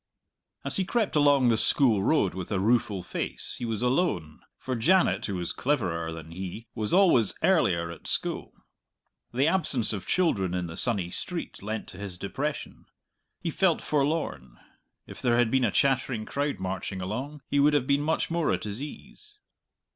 As he crept along the School Road with a rueful face, he was alone, for Janet, who was cleverer than he, was always earlier at school. The absence of children in the sunny street lent to his depression. He felt forlorn; if there had been a chattering crowd marching along, he would have been much more at his ease.